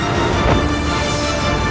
ada yangdidak renowana